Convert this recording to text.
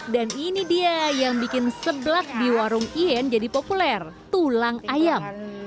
dan ini dia yang bikin sebelak di warung ien jadi populer tulang ayam